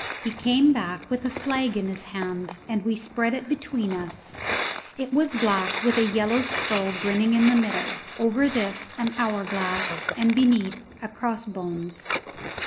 He came back with a flag in his hand, and we spread it between us; it was black, with a yellow skull grinning in the middle, over this an hourglass, and beneath a cross bones.